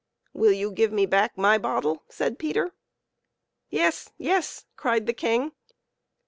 " Will you give me back my bottle ?" said Peter. " Yes ! yes !" cried the King.